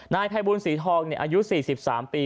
นายไพบุญศรีทองอายุ๔๓ปี